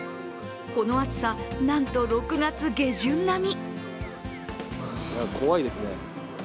この暑さ、なんと６月下旬並み。